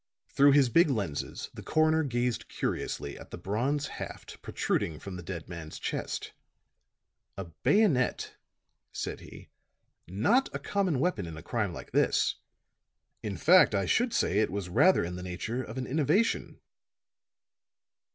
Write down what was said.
Through his big lenses the coroner gazed curiously at the bronze haft protruding from the dead man's chest. "A bayonet," said he. "Not a common weapon in a crime like this. In fact, I should say it was rather in the nature of an innovation."